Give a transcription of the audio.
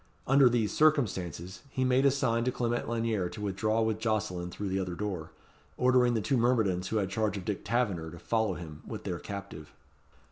Under these circumstances he made a sign to Clement Lanyere to withdraw with Jocelyn through the other door, ordering the two myrmidons who had charge of Dick Taverner to follow him with their captive.